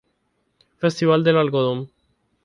Festival del Algodón.